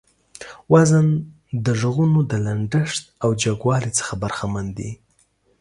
وزن د غږونو د لنډښت او جګوالي څخه برخمن دى.